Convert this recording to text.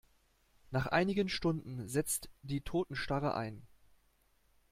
Nach einigen Stunden setzt die Totenstarre ein.